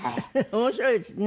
面白いですね。